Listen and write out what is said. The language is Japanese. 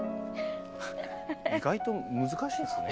フッ意外と難しいですね。